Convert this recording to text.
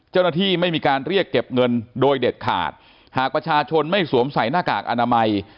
ไม่มีการเรียกเก็บเงินโดยเด็ดขาดหากประชาชนไม่สวมใส่หน้ากากอนามัย